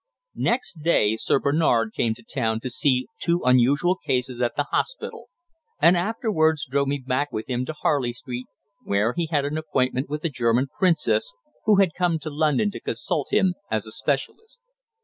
Next day, Sir Bernard came to town to see two unusual cases at the hospital, and afterwards drove me back with him to Harley Street, where he had an appointment with a German Princess, who had come to London to consult him as a specialist.